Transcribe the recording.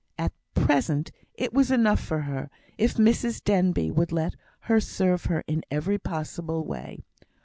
At present it was enough for her, if Mrs Denbigh would let her serve her in every possible way.